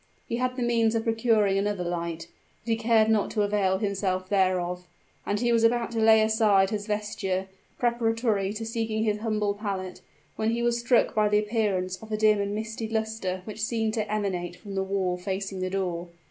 He had the means of procuring another light; but he cared not to avail himself thereof, and he was about to lay aside his vesture, preparatory to seeking his humble pallet, when he was struck by the appearance of a dim and misty luster which seemed to emanate from the wall facing the door.